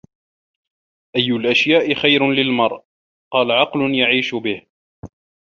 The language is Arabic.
أَيُّ الْأَشْيَاءِ خَيْرٌ لِلْمَرْءِ ؟ قَالَ عَقْلٌ يَعِيشُ بِهِ